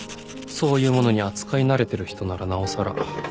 そういうものに扱い慣れてる人ならなおさら。